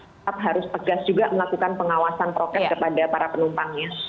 tetap harus tegas juga melakukan pengawasan prokes kepada para penumpangnya